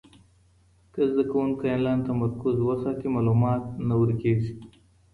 که زده کوونکی انلاین تمرکز وساتي، معلومات نه ورکېږي.